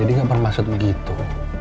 dedi gak pernah maksud begitu